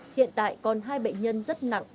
hiện tại còn hai bệnh nhân rất nặng